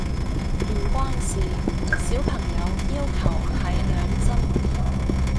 唔關事，小朋友要求係兩針